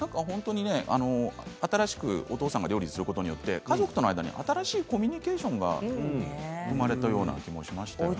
新しくお父さんが料理をすることによって家族との間に新しいコミュニケーションが生まれたような気がしますよね。